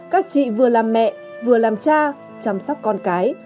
các chị vừa làm mẹ vừa làm cha chăm sóc con cái